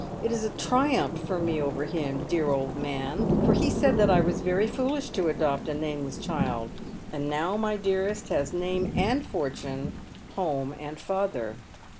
It is a triumph for me over him, dear old man, for he said that I was very foolish to adopt a nameless child, and now my dearest has name and fortune, home and father."